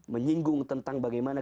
menyinggung tentang bagaimana